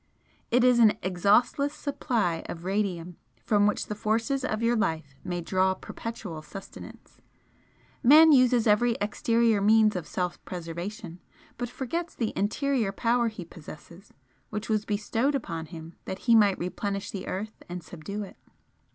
It is an exhaustless supply of 'radium' from which the forces of your life may draw perpetual sustenance. Man uses every exterior means of self preservation, but forgets the interior power he possesses, which was bestowed upon him that he might 'replenish the earth and subdue it.'